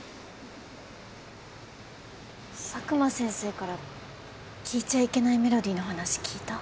佐久間先生から聞いちゃいけないメロディーの話聞いた？